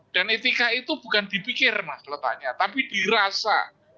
dan etika itu bukan dipikir mas letaknya tapi dirasa